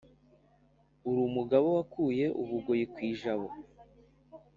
uri umugabe wakuye u bugoyi ku ijabo.